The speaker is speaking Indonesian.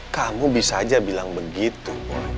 kamu bisa aja bilang begitu